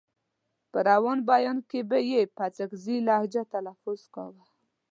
په روان بيان کې به يې په اڅکزۍ لهجه تلفظ کاوه.